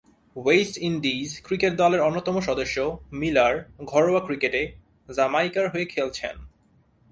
West Indies cricket দলের অন্যতম সদস্য মিলার ঘরোয়া ক্রিকেটে জামাইকার হয়ে খেলছেন।